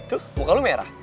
tuh muka lo merah